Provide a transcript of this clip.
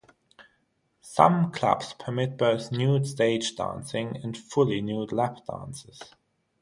Some clubs permit both nude stage dancing and fully nude lap dances.